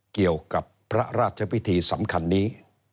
เกี่ยวกับพระราชพิธีสำคัญนี้